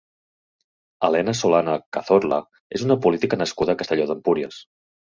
Helena Solana Cazorla és una política nascuda a Castelló d'Empúries.